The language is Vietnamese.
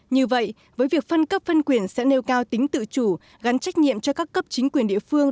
như vậy với việc phân cấp phân quyền sẽ nêu cao tính tự chủ gắn trách nhiệm cho các cấp chính quyền địa phương